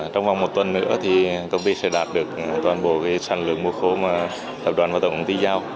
trong một tuần nữa thì công ty sẽ đạt được toàn bộ sản lượng mô khố mà tổng công ty giao